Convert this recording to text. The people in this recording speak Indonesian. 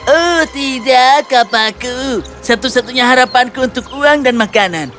oh tidak kapaku satu satunya harapanku untuk uang dan makanan